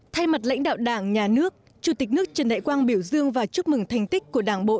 thay mặt lãnh đạo đảng nhà nước chủ tịch nước trần đại quang biểu dương và chúc mừng thành tích của đảng bộ